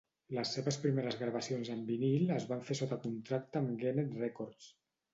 Les seves primeres gravacions en vinil es van fer sota contracte amb Gennett Records.